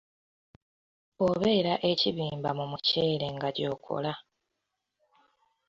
Bw’obeera e kibimba mu muceere nga gyokola.